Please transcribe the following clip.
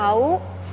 sampai jumpa lagi